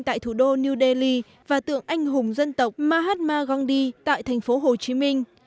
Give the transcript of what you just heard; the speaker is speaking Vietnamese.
tại thủ đô new delhi và tượng anh hùng dân tộc mahatma gandhi tại thành phố hồ chí minh